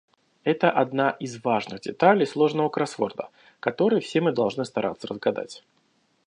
Это одна из важных деталей сложного кроссворда, который все мы должны стараться разгадать.